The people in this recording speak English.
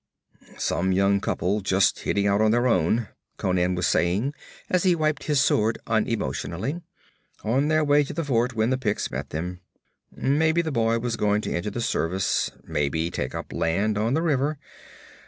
'Some young couple just hitting out on their own,' Conan was saying as he wiped his sword unemotionally. 'On their way to the fort when the Picts met them. Maybe the boy was going to enter the service; maybe take up land on the river.